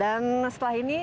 dan setelah ini